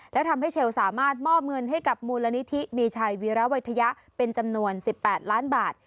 และทำให้เชลสามารถมอบเงินให้กับมูลนิธิมีชัยวีระวัยทยะเป็นจำนวน๑๘ล้านบาท